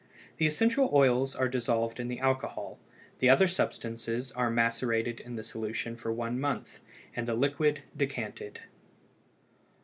The essential oils are dissolved in the alcohol, the other substances are macerated in the solution for one month, and the liquid decanted.